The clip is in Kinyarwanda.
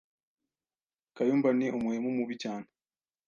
Kayumba ni umuhemu mubi cyane